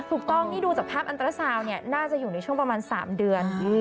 ถูกต้องนี่ดูจากภาพอันตราซาวน์เนี่ยน่าจะอยู่ในช่วงประมาณ๓เดือน